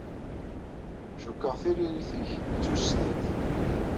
Cikkeɣ tiririt-nnek d tusdidt.